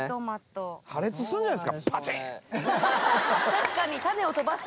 確かに。